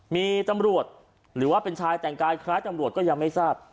มีตำรวจหรือว่าเป็นชายแต่งกายคล้ายตำรวจก็ยังไม่ทราบ